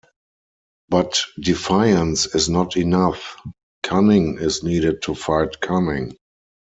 But defiance is not enough; cunning is needed to fight cunning.